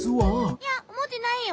いやおもってないよ。